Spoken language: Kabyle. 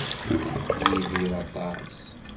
Yidir aṭas.